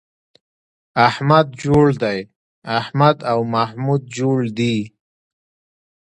احمد جوړ دی → احمد او محمود جوړ دي